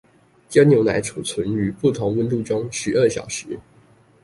將牛奶貯存於不同溫度中十二小時